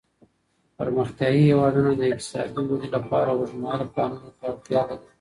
پرمختيايي هېوادونه د اقتصادي ودې لپاره اوږدمهاله پلانونو ته اړتیا لري.